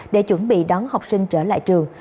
để chuẩn bị đón học sinh trở lại trường